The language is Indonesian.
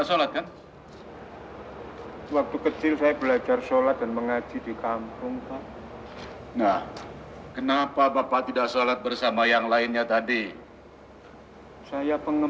sampai jumpa di video selanjutnya